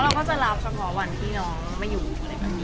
เราก็จะรับเฉพาะวันที่น้องไม่อยู่อะไรแบบนี้